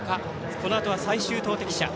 このあとは最終投てき者。